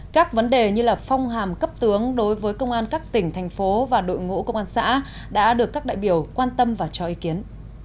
các vấn đề như là phong hàm cấp tướng đối với công an các tỉnh thành phố và đội ngũ công an xã đã được các đại biểu quan tâm và cho ý kiến